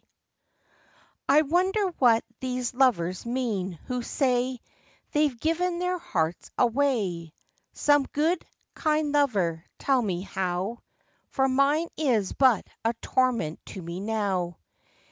I Wonder what those lovers mean, who say They've given their hearts away. Some good, kind lover, tell me how: For mine is but a torment to me now.